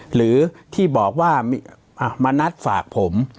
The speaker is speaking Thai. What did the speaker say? หรือที่บอกว่ามานัดฝากผม